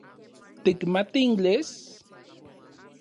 ¿Tikmati inglés?